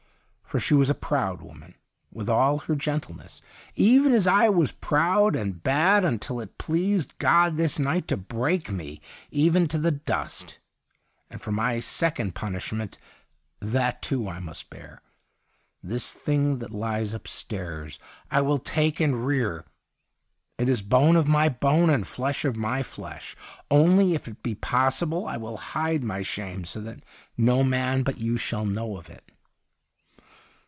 For she was a proud woman, with all her gentleness, even as I was proud and bad until it pleased God this night to break me even to the dust. And for my second punish ment, that, too, I must bear. This thing that lies upstairs, I will take and rear ; it is bone of my bone and flesh of my flesh ; only, if it be possible, I will hide my shame so that no man but you shall know of it.'